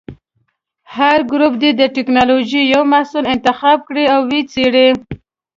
هر ګروپ دې د ټېکنالوجۍ یو محصول انتخاب کړي او وڅېړي.